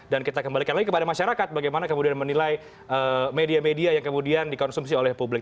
dan kita kembalikan lagi kepada masyarakat bagaimana kemudian menilai media media yang kemudian dikonsumsi oleh publik